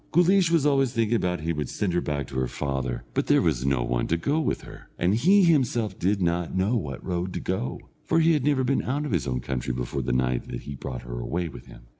Guleesh was always thinking how he should send her back to her father; but there was no one to go with her, and he himself did not know what road to go, for he had never been out of his own country before the night he brought her away with him.